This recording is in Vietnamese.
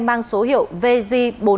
mang số hiệu vz bốn trăm năm mươi tám